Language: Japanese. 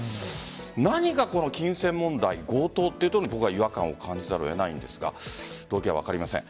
何が、金銭問題強盗というのに違和感を感じざるを得ないのですが動機は分かりません。